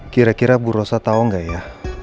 kira kira bu rosa tau gak ya